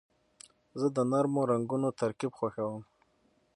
زه د نرمو رنګونو ترکیب خوښوم.